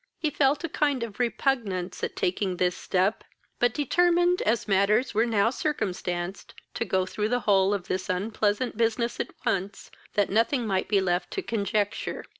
He felt a kind of repugnance at taking this step, but determined, as matters were now circumstanced, to go through the whole of this unpleasant business at once, that nothing might be left to conjecture.